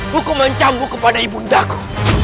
hukuman cangguh kepada ibu ndama